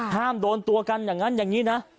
โดนตัวกันอย่างนั้นอย่างนี้นะ